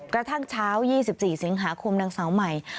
กระทั่งเช้า๒๔สิงหาคมนางสาวใหม่